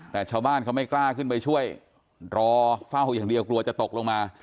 แต่ชาวบ้านเขาไม่กล้าขึ้นไปช่วยรอเฝ้าอย่างเดียวกลัวจะตกลงมา